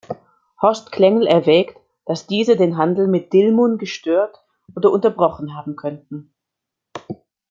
Horst Klengel erwägt, dass diese den Handel mit Dilmun gestört oder unterbrochen haben könnten.